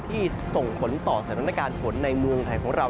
ที่ส่งผลต่อสถานการณ์ฝนในเมืองไทยของเรา